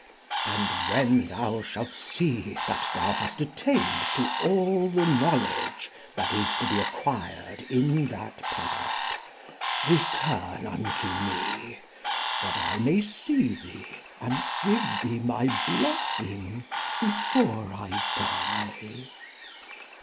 And, when thou shalt see that thou hast attained to all the knowledge that is to be acquired in that part, return unto me, that I may see thee and give thee my blessing before I die.